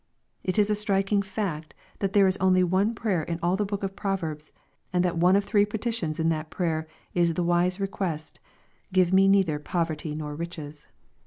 It is a striking fact, that there is only one prayer in all the Book of Proverbs, and that one of the three petitions in that prayer, is the wise request, —" Give me neither poverty nor riches."